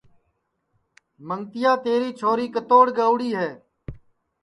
منگتیا تیری چھوری کِتوڑ گئیوڑی ہے